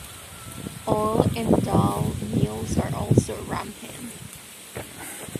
Oil and Dal mills are also rampant.